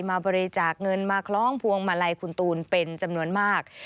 มาบริจาคเงินมาคล้องพวงมาลัยคุณตูนเป็นจำนวนมาก